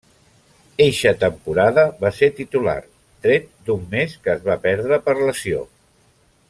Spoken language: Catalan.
Eixa temporada va ser titular, tret d'un mes que es va perdre per lesió.